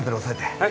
はい。